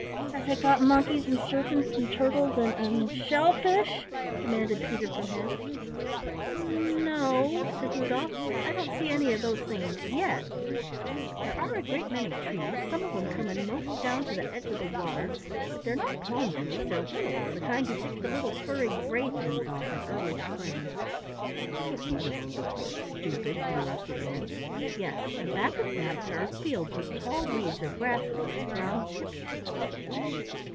"Has it got monkeys and serpents an' turtles an' an' shell fish?" demanded Peter from his. "N no," said Rudolf, "I don't see any of those things yet. There are a great many trees, some of 'em coming most down to the edge of the water, but they're not palm trees, they're willows, the kind you pick the little furry gray things off in early spring " "Pussy willows, of course, stupid!" interrupted Ann. "Yes, and back of that there are fields with tall reeds or grasses with brown tips to them."